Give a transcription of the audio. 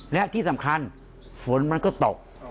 และที่สำคัญฝนมันก็ตก